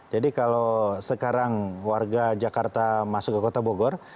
jadi kalau sekarang warga jakarta masuk ke kota bogor